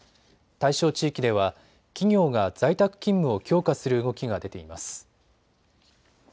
対象地域では企業が在宅勤務を強化する動きが出ています。